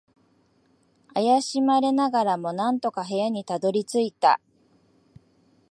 怪しまれながらも、なんとか部屋にたどり着いた。